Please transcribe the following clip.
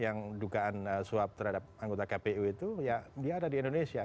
yang dugaan suap terhadap anggota kpu itu ya dia ada di indonesia